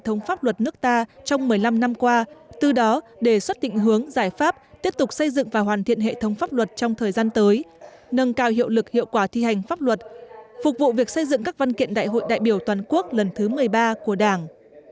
hệ thống pháp luật nước ta trong một mươi năm năm qua từ đó đề xuất định hướng giải pháp tiếp tục xây dựng và hoàn thiện hệ thống pháp luật trong thời gian tới nâng cao hiệu lực hiệu quả thi hành pháp luật phục vụ việc xây dựng các văn kiện đại hội đại biểu toàn quốc lần thứ một mươi ba của đảng